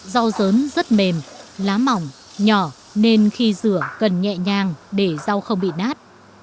rau dớn rất mềm lá mỏng nhỏ nên khi rửa cần nhẹ nhàng để rau không bị nát